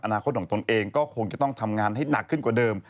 อนาคตของตนเองก็คงจะต้องทำงานให้หนักขึ้นกว่าเดิม